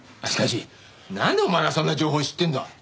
しかしなんでお前がそんな情報知ってんだ？